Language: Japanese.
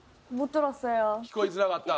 聞こえづらかった？